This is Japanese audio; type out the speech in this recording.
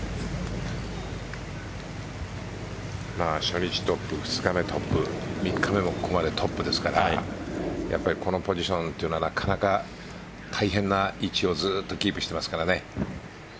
初日トップ、２日目トップ３日目もここまでトップですからこのポジションというのはなかなか大変な位置をずっとキープしていますからね。